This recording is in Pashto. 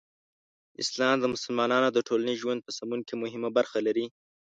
اسلام د مسلمانانو د ټولنیز ژوند په سمون کې مهمه برخه لري.